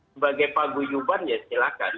sebagai paguyuban ya silahkan